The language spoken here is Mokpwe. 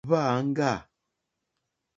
Hwá āŋɡâ.